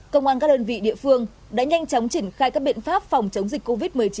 công an các đơn vị địa phương đã nhanh chóng triển khai các biện pháp phòng chống dịch covid một mươi chín